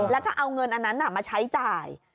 แล้วก็เอาเงินอันนั้นมาใช้จ่าย